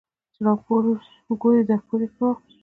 ـ چې راپورې ګورې درپورې ګورم.